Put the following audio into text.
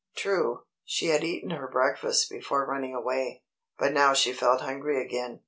True, she had eaten her breakfast before running away, but now she felt hungry again.